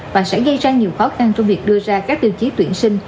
và sẽ gây ra nhiều khó khăn trong việc đưa ra các tiêu chí tuyển sinh